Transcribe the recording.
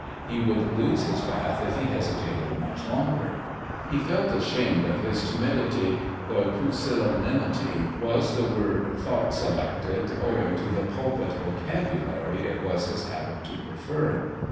He would lose his bath if he hesitated much longer. He felt ashamed of his timidity, though "pusillanimity" was the word thought selected owing to the pulpit vocabulary it was his habit to prefer.